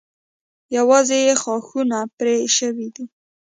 یوازې یې ښاخونه پرې شوي دي.